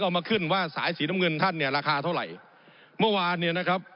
ผมอภิปรายเรื่องการขยายสมภาษณ์รถไฟฟ้าสายสีเขียวนะครับ